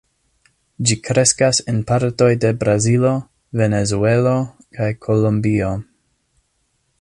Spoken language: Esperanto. Ĝi kreskas en partoj de Brazilo, Venezuelo kaj Kolombio.